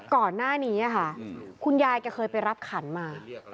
ก่อนหน้านี้ค่ะคุณยายแกเคยไปรับขันมา